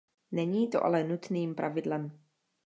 Není to ale nutným pravidlem.